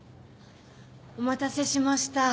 ・お待たせしました。